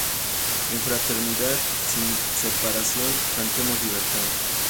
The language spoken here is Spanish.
En fraternidad, sin separación, ¡Cantemos Libertad!